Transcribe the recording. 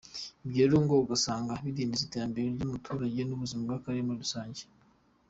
Ibyo rero ngo ugasanga bidindiza iterambere ry’umuturage n’ubuzima bw’akarere muri rusange.